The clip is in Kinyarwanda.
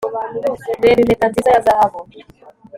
Reba impeta nziza ya zahabu